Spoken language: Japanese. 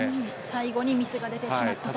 最後にミスが出てしまったと。